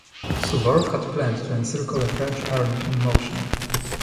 Suvorov had planned to encircle a French army in motion.